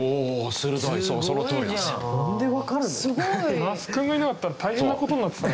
すごい！那須君がいなかったら大変な事になってた。